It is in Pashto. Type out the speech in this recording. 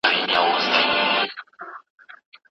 نه په ژوندون وه پر چا راغلي